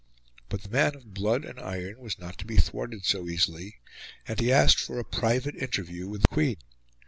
But the man of blood and iron was not to be thwarted so easily, and he asked for a private interview with the Queen.